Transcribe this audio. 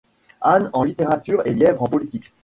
Ane en littérature et lièvre en politique.